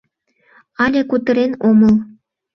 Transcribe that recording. — Але кутырен омыл.